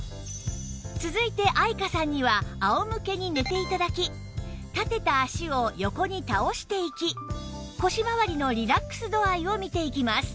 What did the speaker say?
続いて愛華さんにはあおむけに寝て頂き立てた脚を横に倒していき腰まわりのリラックス度合いをみていきます